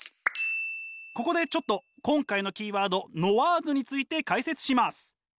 ここでちょっと今回のキーワード「ノワーズ」について解説します。